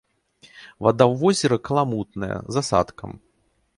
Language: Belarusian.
Вада ў возеры каламутная, з асадкам.